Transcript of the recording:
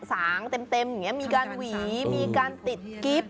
สางเต็มอย่างนี้มีการหวีมีการติดกิ๊บ